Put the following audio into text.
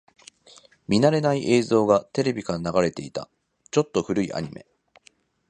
見慣れない映像がテレビから流れていた。ちょっと古いアニメ。